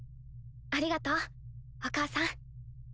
ありがとうお母さん。